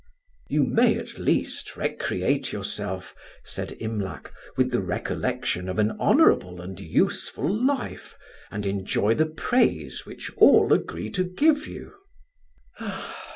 "You may at least recreate yourself," said Imlac, "with the recollection of an honourable and useful life, and enjoy the praise which all agree to give you."